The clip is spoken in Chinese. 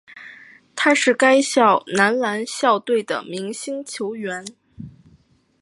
他是该校男篮校队的明星球员。